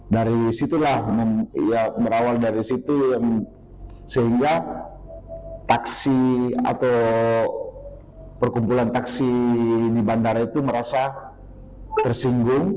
dari situlah berawal dari situ yang sehingga taksi atau perkumpulan taksi di bandara itu merasa tersinggung